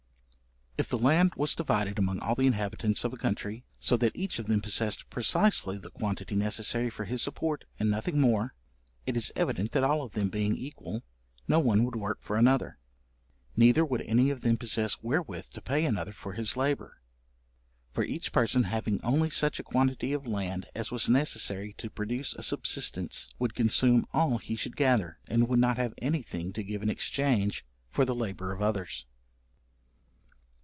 If the land was divided among all the inhabitants of a country, so that each of them possessed precisely the quantity necessary for his support, and nothing more; it is evident that all of them being equal, no one would work for another. Neither would any of them possess wherewith to pay another for his labour, for each person having only such a quantity of land as was necessary to produce a subsistence, would consume all he should gather, and would not have any thing to give in exchange for the labour of others.